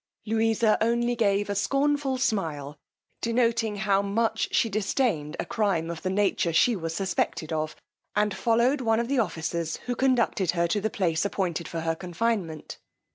Louisa gave only a scornful smile, denoting how much she disdained a crime of the nature she was suspected of, and followed one of the officers, who conducted her to the place appointed for her confinement.